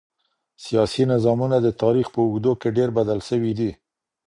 سياسي نظامونه د تاريخ په اوږدو کي ډېر بدل سوي دي.